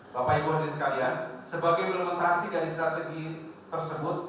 bapak ibu hadirin sekalian sebagai implementasi dari strategi tersebut